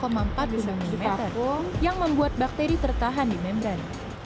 empat mm yang membuat bakteri tertahan di membran